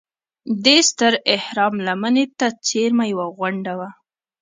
دې ستر اهرام لمنې ته څېرمه یوه غونډه وه.